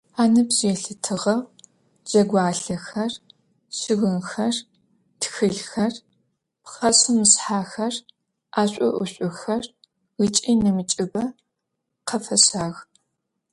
Аныбжь елъытыгъэу джэгуалъэхэр, щыгъынхэр, тхылъхэр, пхъэшъхьэ-мышъхьэхэр, ӏэшӏу-ӏушӏухэр ыкӏи нэмыкӏыбэ къафащагъ.